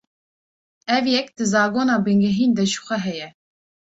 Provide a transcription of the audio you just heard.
Ev yek, di zagona bingehîn de jixwe heye